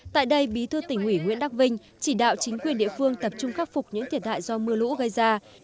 tại đây bí thư tỉnh ủy nguyễn đắc vinh chỉ đạo chính quyền địa phương tập trung khắc phục những thiệt hại do mưa lũ gây ra